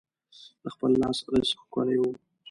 د خپل لاس رزق ښکلی وي.